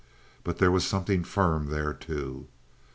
But there was something firm there, too.